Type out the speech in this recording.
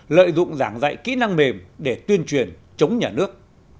lợi dụng giảng dạy kỹ năng mềm để tuyên truyền chống nhà nước